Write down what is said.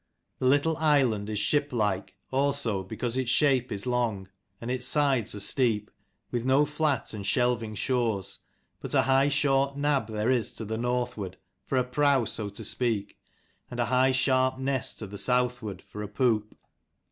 The little island is ship like also because its shape is long, and its sides are steep, with no flat and shelving shores ; but a high short nab there is to the northward, for a prow, so to speak; and a high sharp ness to the southward, for a poop.